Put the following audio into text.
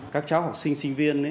các cháu học sinh sinh viên